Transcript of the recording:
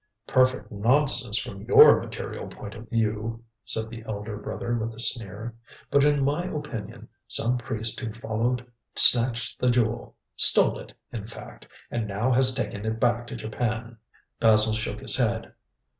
"Perfect nonsense from your material point of view," said the elder brother with a sneer. "But in my opinion some priest who followed snatched the jewel stole it, in fact, and now has taken it back to Japan." Basil shook his head.